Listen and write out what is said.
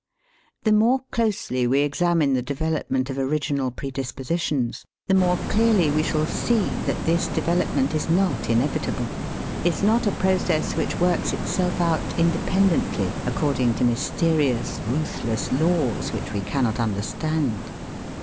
The more closely we examine the development of original predispositions, the more clearly we shall see that this development is not inevitable, is not a process which works itself out independently according to mysterious, ruthless laws which we cannot understand.